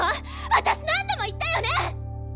私何度も言ったよね？